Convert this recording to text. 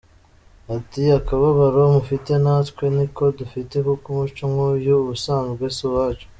Ati"Akababaro mufite natwe niko dufite kuko umuco nk’uyu ubusanzwe si uwacu.”